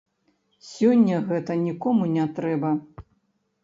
Сёння гэта нікому не трэба.